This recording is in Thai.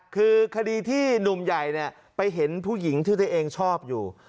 คือคดีที่หนุ่มใหญ่ไปเห็นผู้หญิงที่ตัวเองชอบอยู่